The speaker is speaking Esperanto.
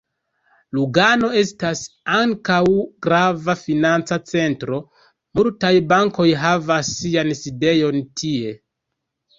Lugano estas ankaŭ grava financa centro: multaj bankoj havas sian sidejon tie.